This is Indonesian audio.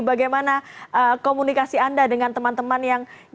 bagaimana komunikasi anda dengan teman teman yang